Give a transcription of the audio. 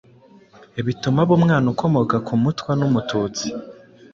bituma aba umwana ukomoka ku Mutwa n’Umututsi.